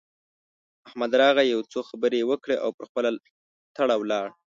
احمد راغی؛ يو څو خبرې يې وکړې او پر خپله تړه ولاړ.